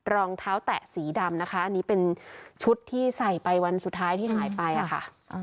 รองเท้าแตะสีดำนะคะอันนี้เป็นชุดที่ใส่ไปวันสุดท้ายที่หายไปค่ะ